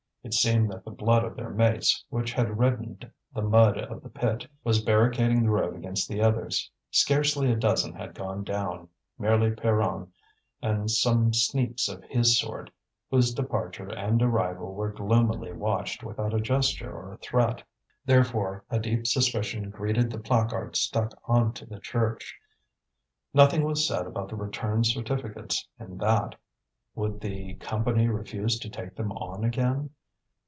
It seemed that the blood of their mates, which had reddened the mud of the pit, was barricading the road against the others. Scarcely a dozen had gone down, merely Pierron and some sneaks of his sort, whose departure and arrival were gloomily watched without a gesture or a threat. Therefore a deep suspicion greeted the placard stuck on to the church. Nothing was said about the returned certificates in that. Would the Company refuse to take them on again?